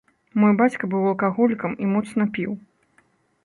Мой бацька быў алкаголікам і моцна піў.